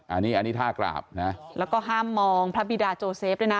อันนี้อันนี้ท่ากราบนะแล้วก็ห้ามมองพระบิดาโจเซฟด้วยนะ